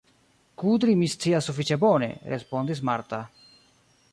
Kudri mi scias sufiĉe bone, respondis Marta.